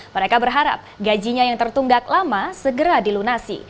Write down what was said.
mereka berharap gajinya yang tertunggak lama segera dilunasi